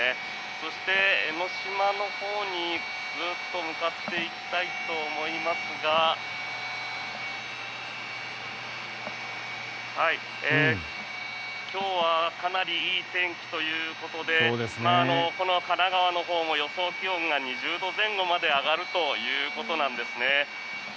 そして、江の島のほうにずっと向かっていきたいと思いますが今日はかなりいい天気ということでこの神奈川のほうも予想気温が２０度前後まで上がるということなんですね。